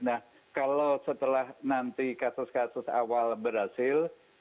nah kalau setelah nanti kasus kasus awal berhasil